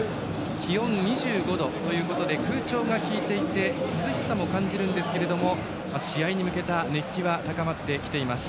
気温２５度ということで空調がきいていて涼しさも感じるんですけど試合に向けた熱気は高まってきています。